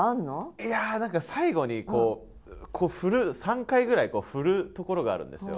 いや何か最後にこう振る３回ぐらい振るところがあるんですよ